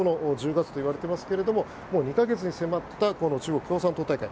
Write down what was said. １０月といわれていますがもう２か月に迫ったこの中国共産党大会。